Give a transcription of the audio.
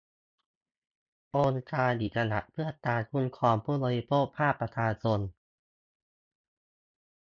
องค์การอิสระเพื่อการคุ้มครองผู้บริโภคภาคประชาชน